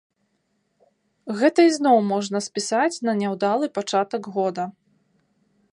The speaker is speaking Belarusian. Гэта ізноў можна спісаць на няўдалы пачатак года.